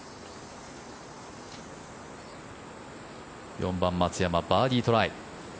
４番、松山バーディートライ。